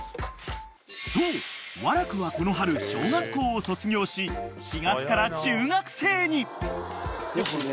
［そう和楽はこの春小学校を卒業し４月から中学生に］